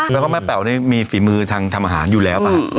แล้วก็แม่เป๋วนี่มีฝีมือทางทำอาหารอยู่แล้วป่ะ